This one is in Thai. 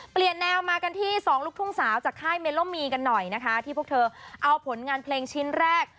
เปลี่ยนแนวมากันที่สองลูกทุ่งสาวจากค่ายเมโลมีกันหน่อยนะคะที่พวกเธอเอาผลงานเพลงชิ้นแรก